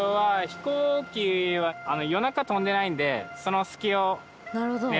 飛行機は夜中飛んでないんでその隙を狙って。